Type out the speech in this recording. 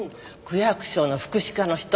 区役所の福祉課の人。